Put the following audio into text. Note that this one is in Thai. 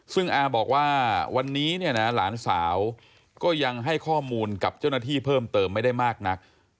ซึ่งอาบอกว่าวันนี้เนี่ยนะหลานสาวก็ยังให้ข้อมูลกับเจ้าหน้าที่เพิ่มเติมไม่ได้มากนัก